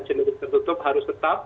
dan cenderung tertutup harus tetap